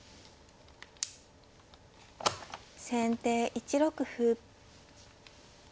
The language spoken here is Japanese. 先手１六歩。